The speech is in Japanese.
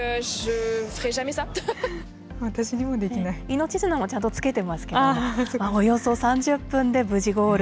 命綱もちゃんとつけてますけども、およそ３０分で無事、ゴール。